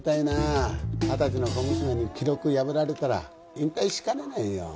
二十歳の小娘に記録破られたら引退しかねないよ。